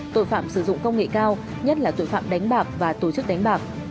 tội phạm sử dụng công nghệ cao nhất là tội phạm đánh bạc và tổ chức đánh bạc